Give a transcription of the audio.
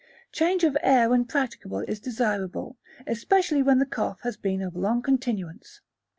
Change of air when practicable is desirable, especially when the cough has been of long continuance.